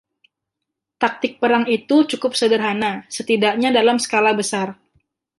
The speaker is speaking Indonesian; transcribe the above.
Taktik perang itu cukup sederhana, setidaknya dalam skala besar.